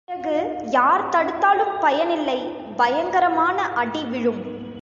பிறகு யார் தடுத்தாலும் பயனில்லை பயங்கரமான அடி விழும்.